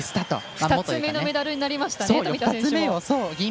２つ目のメダルになりましたね。